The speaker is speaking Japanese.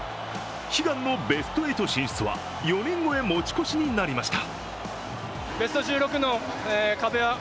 悲願のベスト８進出は４年後へ持ち越しになりました。